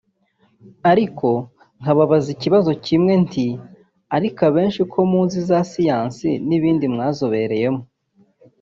ariko nkababaza ikibazo kimwe nti ‘ariko abenshi ko muzi za siyansi n’ibindi mwazobereyemo